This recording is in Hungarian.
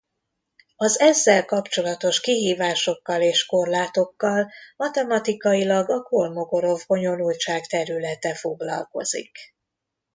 Az ezzel kapcsolatos kihívásokkal és korlátokkal matematikailag a Kolmogorov-bonyolultság területe foglalkozik.